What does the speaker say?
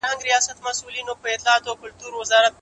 ژوند د هيڅچا ارمان نه پوره کوي .